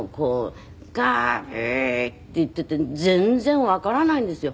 ガーッウーッていっていて全然わからないんですよ。